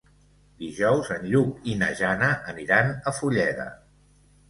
Dijous en Lluc i na Jana aniran a Fulleda.